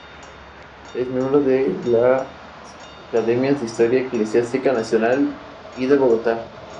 Es miembro de las Academias de Historia Eclesiástica Nacional y de Bogotá.